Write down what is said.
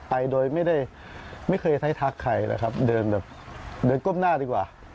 ไปโดยไม่เคยไทยทักใครนะครับเดินก้มหน้าดีกว่า